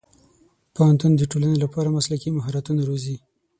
پوهنتون د ټولنې لپاره مسلکي مهارتونه روزي.